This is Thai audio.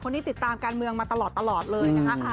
ติดตามการเมืองมาตลอดเลยนะคะ